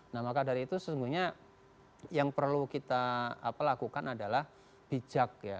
nah maka dari itu sesungguhnya yang perlu kita lakukan adalah bijak ya